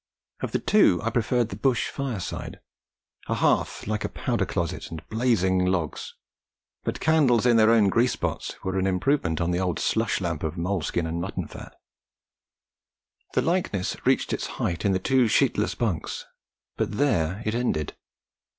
Of the two I preferred the bush fireside, a hearth like a powder closet and blazing logs; but candles in their own grease spots were an improvement on the old slush lamp of moleskin and mutton fat. The likeness reached its height in the two sheetless bunks, but there it ended.